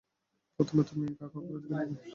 প্রথমে তুমি কাকে অগ্রাধিকার দিবে?